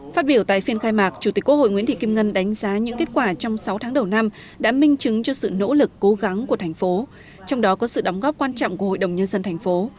phát biểu tại phiên khai mạc chủ tịch quốc hội nguyễn thị kim ngân đánh giá những kết quả trong sáu tháng đầu năm đã minh chứng cho sự nỗ lực cố gắng của thành phố trong đó có sự đóng góp quan trọng của hội đồng nhân dân thành phố